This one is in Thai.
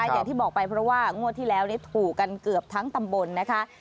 อย่างที่บอกไปเพราะว่างวดที่แล้วถูกกันเกือบทั้งตำบลนะคะ